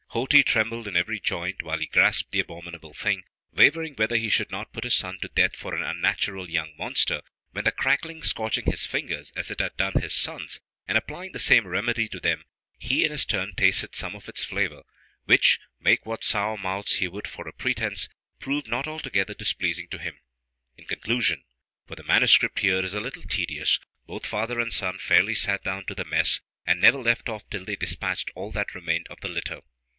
Ho ti trembled in every joint while he grasped the abominable thing, wavering whether he should not put his son to death for an unnatural young monster, when the crackling scorching his fingers, as it had done his son's, and applying the same remedy to them, he in his turn tasted some of its flavor, which, make what sour mouths he would for a pretence, proved not altogether displeasing to him. In conclusion (for the manuscript here is a little tedious) both father and son fairly sat down to the mess, and never left off till they despatched all that remained of the litter.